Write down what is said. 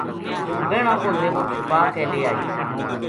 بہناں کو زیور چھُپا کے لے آئی